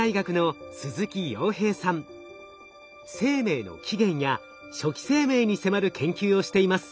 生命の起源や初期生命に迫る研究をしています。